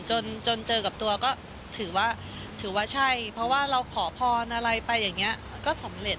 จนเจอกับตัวก็ถือว่าถือว่าถือว่าใช่เพราะว่าเราขอพรอะไรไปอย่างนี้ก็สำเร็จ